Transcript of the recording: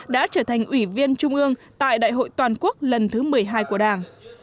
đã trở thành ủy viên trung ương tại đại hội toàn quốc lần thứ một mươi hai của đảng